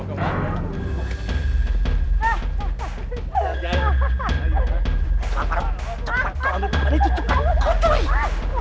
kamu kemana itu cukup kocok